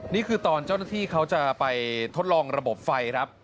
นี่คือตอนเจ้าหน้าที่เขาจะไปทดลองระบบไฟครับ